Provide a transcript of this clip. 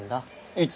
いつ？